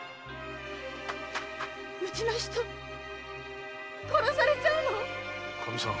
うちの人殺されちゃうの⁉おかみさん。